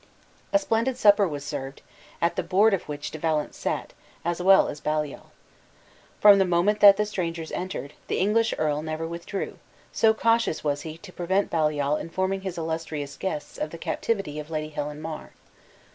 A splendid supper was served, at the board of which De Valence sat, as well as Baliol. From the moment that the strangers entered, the English earl never withdrew; so cautious was he to prevent Baliol informing his illustrious guests of the captivity of Lady Helen Mar.